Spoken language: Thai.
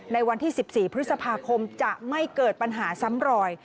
ในวันที่๑๔พฤษภาคมจะไม่เกิดปัญหาซ้ำรอย